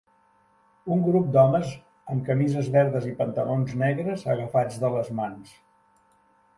Un grup d'homes amb camises verdes i pantalons negres agafats de les mans.